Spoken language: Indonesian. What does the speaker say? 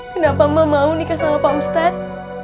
kenapa emak mau nikah sama pak ustad